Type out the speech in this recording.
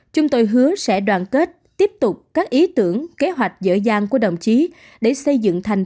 chúng tôi hứa sẽ đoàn kết tiếp tục các ý tưởng kế hoạch dễ dàng của đồng chí để xây dựng thành